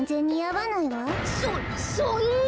そそんな！